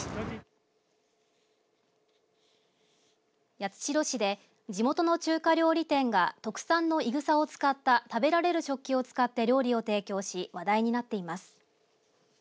八代市で、地元の中華料理店が特産のいぐさを使った食べられる食器を使って料理を提供し話題になっています。